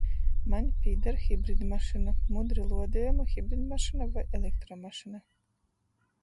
Maņ pīdar hibridmašyna, mudri luodiejama hibridmašyna voi elektromašyna.